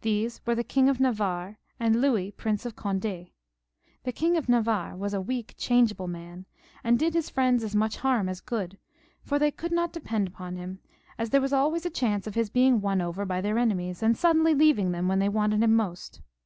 These were the King of ) XXXVII.] FRANCIS IL 265 Navarre and Louis, Prince of Cond4 The King of Navarre was a weak, changeable man, and did his friends as much harm as good, foi: they could not depend upon him, as there was always a chance of his being won over by their enemies and suddenly leaving them when they wanted him most.